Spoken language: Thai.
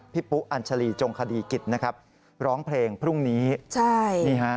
ปุ๊อัญชาลีจงคดีกิจนะครับร้องเพลงพรุ่งนี้ใช่นี่ฮะ